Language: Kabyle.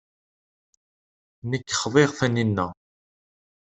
Nekk xḍiɣ Taninna.